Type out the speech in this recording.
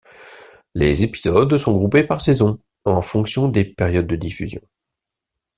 Les épisodes sont groupés par saison en fonction des périodes de diffusions.